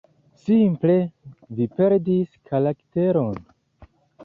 Simple vi perdis karakteron.“